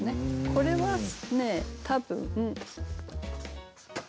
これはね多分。